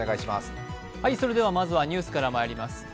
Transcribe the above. それではまずはニュースからまいります。